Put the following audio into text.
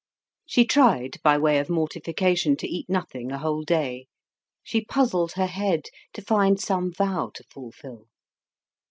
She tried, by way of mortification, to eat nothing a whole day. She puzzled her head to find some vow to fulfil.